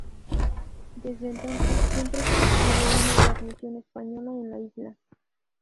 Desde entonces siempre ha existido una guarnición española en la isla.